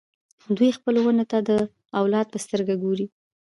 دوی خپلو ونو ته د اولاد په سترګه ګوري.